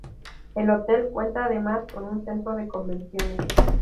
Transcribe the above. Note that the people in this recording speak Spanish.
El Hotel cuenta además con un centro de convenciones.